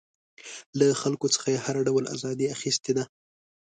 له خلکو څخه یې هر ډول ازادي اخیستې ده.